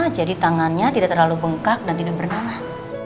jadi tangannya tidak terlalu bengkak dan tidak bernanah